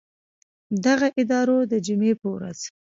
دغه ادارو د جمعې په ورځ